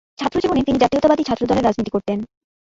ছাত্রজীবনে তিনি জাতীয়তাবাদী ছাত্রদলের রাজনীতি করতেন।